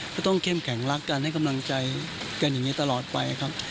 ก็ต้องเข้มแข็งรักกันให้กำลังใจกันอย่างนี้ตลอดไปครับ